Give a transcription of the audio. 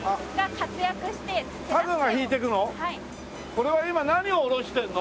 これは今何を下ろしてるの？